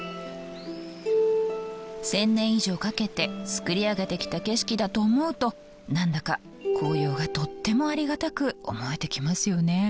１，０００年以上かけてつくり上げてきた景色だと思うと何だか紅葉がとってもありがたく思えてきますよね。